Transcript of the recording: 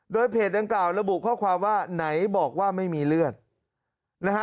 โดยเพจดังกล่าวระบุข้อความว่าไหนบอกว่าไม่มีเลือดนะฮะ